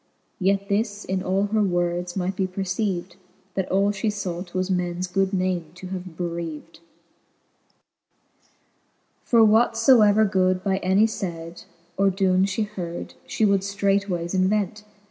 Yet this in all her words might be perceived. That all fhe fought, was mens good name to have bereaved, XXXIV. For what ibever good by any layd, Or doen fhe heard, fhe would ftreightwayes invent.